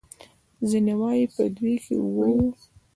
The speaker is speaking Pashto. ځینې وايي په دوی کې اوه وو.